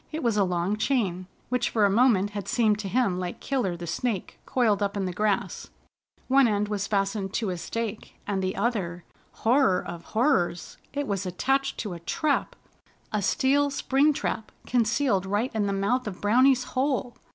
It was a long chain, which for a moment had seemed to him like Killer the Snake coiled up in the grass. One end was fastened to a stake, and the other Horror of Horrors! It was attached to a trap, a steel spring trap, concealed right in the mouth of Browny's hole.